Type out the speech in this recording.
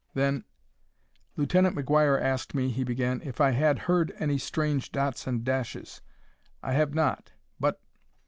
Then "Lieutenant McGuire asked me," he began, "if I had heard any strange dots and dashes. I have not; but